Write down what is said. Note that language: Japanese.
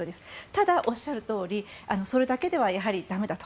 ただ、おっしゃるとおりそれだけでは駄目だと。